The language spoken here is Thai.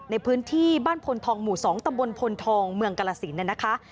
ในพื้นที่บ้านพลทองหมู่๒ตำบลพลทองเมืองกรสินนะคะ